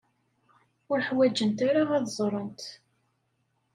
Ur ḥwajent ara ad ẓrent.